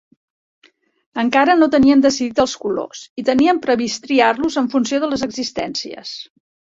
Encara no tenien decidit els colors i tenien previst triar-los en funció de les existències.